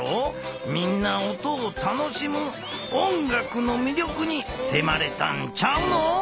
みんな音を楽しむ音楽のみりょくにせまれたんちゃうの？